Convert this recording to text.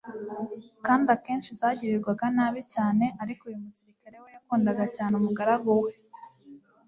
kandi akenshi zagirirwaga nabi cyane, ariko uyu musirikare we yakundaga cyane umugaragu we,